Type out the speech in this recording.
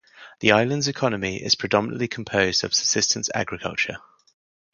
The islands' economy is predominantly composed of subsistence agriculture.